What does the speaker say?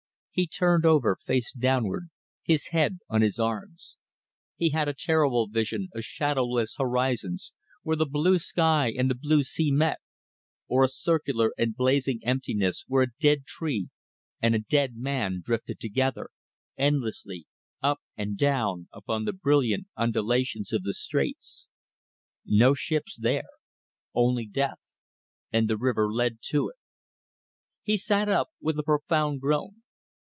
He turned over, face downwards, his head on his arms. He had a terrible vision of shadowless horizons where the blue sky and the blue sea met; or a circular and blazing emptiness where a dead tree and a dead man drifted together, endlessly, up and down, upon the brilliant undulations of the straits. No ships there. Only death. And the river led to it. He sat up with a profound groan.